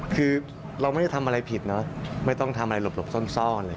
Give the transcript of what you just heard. คือเราไม่ได้ทำอะไรผิดเนอะไม่ต้องทำอะไรหลบซ่อนเลย